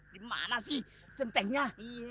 dimana sih centengnya